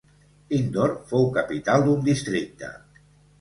Indore fou capital d'un districte.